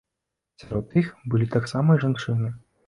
Сярод іх былі таксама і жанчыны.